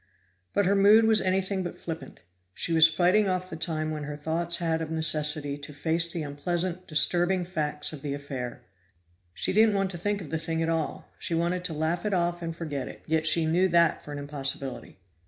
But her mood was anything but flippant; she was fighting off the time when her thoughts had of necessity to face the unpleasant, disturbing facts of the affair. She didn't want to think of the thing at all; she wanted to laugh it off and forget it, yet she knew that for an impossibility.